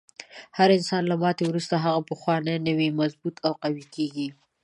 هر انسان له ماتې وروسته هغه پخوانی نه وي، مضبوط او قوي کیږي.